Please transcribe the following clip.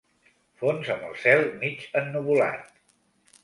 Fons amb cel mig ennuvolat.